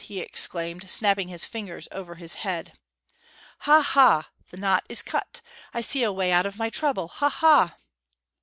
he exclaimed, snapping his fingers over his head. 'Ha ha the knot is cut I see a way out of my trouble ha ha!'